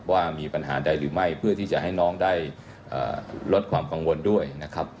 ว่ามีปัญหาใดหรือไม่เพื่อที่จะให้น้องได้ลดความกังวลด้วยนะครับ